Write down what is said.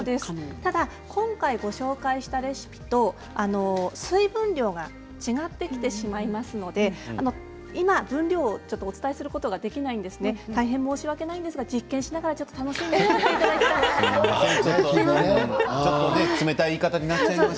ただ今回ご紹介したレシピと水分量が違ってきてしまいますので分量をお伝えすることは今できないんですが実験しながら楽しんでいただきたいと思います。